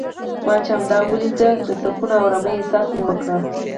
ما چې همدا ولید د سکون او ارامۍ احساس مې وکړ.